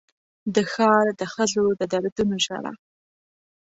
د ښار د ښځو د دردونو ژړا